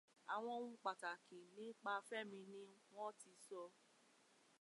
Àwọn ohun pàtàkì nípa Fẹ́mi ni wón ti sọ.